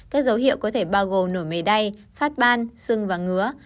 các dấu hiệu có thể bao gồ nổi mê đay phát ban sưng và ngứa